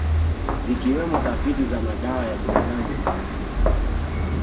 Zikiwemo tafiti za madawa ya binadamu na wanyama